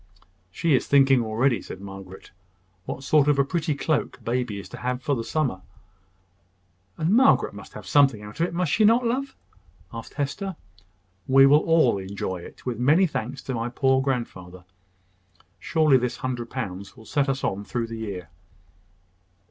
"She is thinking already," said Margaret, "what sort of a pretty cloak baby is to have for the summer." "And Margaret must have something out of it, must not she, love?" asked Hester. "We will all enjoy it, with many thanks to my poor grandfather. Surely this hundred pounds will set us on through the year."